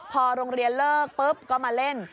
พอโรงเรียนเลิกปุ๊บก็มาเล่น